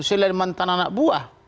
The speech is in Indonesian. selain mantan anak buah